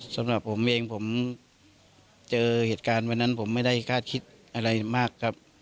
สำหรับผมเองผมเจอเหตุการณ์วันนั้นผมไม่ได้คาดคิดอะไรมากครับ